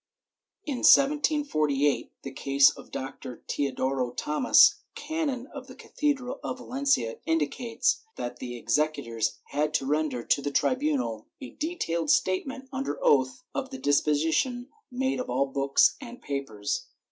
* In 1748 the case of Doctor Teodoro Tomas, canon of the cathedral of Valencia, indicates that the executors had to render to the tribunal a detailed statement under oath of the dis position made of all books and papers.